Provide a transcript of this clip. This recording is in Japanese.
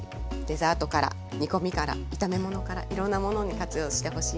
デザートから煮込みから炒め物からいろんなものに活用してほしいなと思ってます